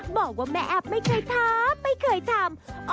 บอกว่าแม่แอ๊บไม่เคยทำไม่เคยทำ